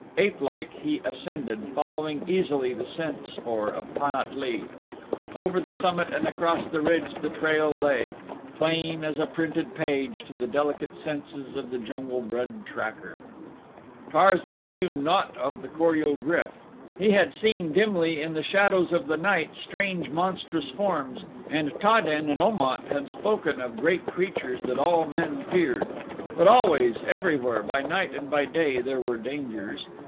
Apelike he ascended, following easily the scent spoor of Pan at lee. Over the summit and across the ridge the trail lay, plain as a printed page to the delicate senses of the jungle bred tracker. Tarzan knew naught of the Kor ul GRYF. He had seen, dimly in the shadows of the night, strange, monstrous forms and Ta den and Om at had spoken of great creatures that all men feared; but always, everywhere, by night and by day, there were dangers.